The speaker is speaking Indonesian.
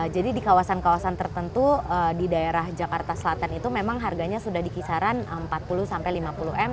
jadi di kawasan kawasan tertentu di daerah jakarta selatan itu memang harganya sudah dikisaran empat puluh lima puluh m